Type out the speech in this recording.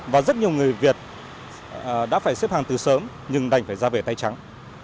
và rất nhiều người việt đã phải xếp hàng từ sớm nhưng đành phải ra về tay trắng